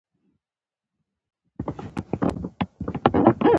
آیا د پښتنو په کلتور کې د جرګې پریکړه نه منل شرم نه دی؟